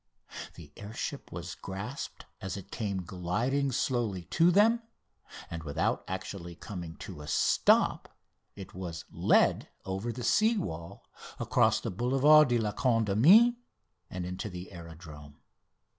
The air ship was grasped as it came gliding slowly to them, and, without actually coming to a stop, it was "led" over the sea wall across the Boulevard de la Condamine and into the aerodrome.